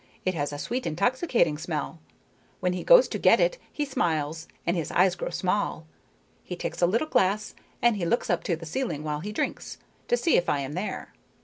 It has a sweet, intoxicating smell. When he goes to get it he smiles, and his eyes grow small. He takes a little glass, and he looks up to the ceiling while he drinks, to see if I am there.